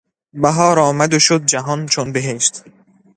بهار آمد و شد جهان چون بهشت